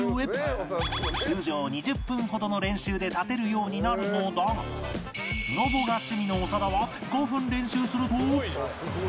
通常２０分ほどの練習で立てるようになるのだがスノボが趣味の長田は５分練習すると